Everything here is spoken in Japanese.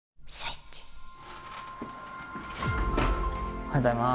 おはようございます。